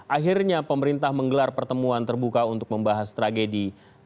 akhirnya pemerintah menggelar pertemuan terbuka untuk membahas tragedi seribu sembilan ratus enam puluh lima